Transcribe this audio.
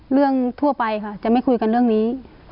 ทั่วไปค่ะจะไม่คุยกันเรื่องนี้